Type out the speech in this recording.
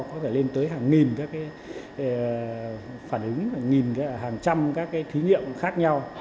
có thể lên tới hàng nghìn các phản ứng hàng trăm các thí nghiệm khác nhau